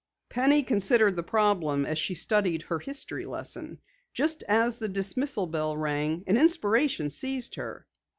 Penny considered the problem as she studied her history lesson. Just as the dismissal bell rang an inspiration seized her.